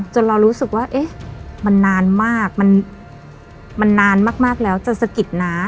เรารู้สึกว่าเอ๊ะมันนานมากมันนานมากแล้วจะสะกิดนะ